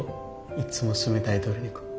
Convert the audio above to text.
いつも冷たい鶏肉。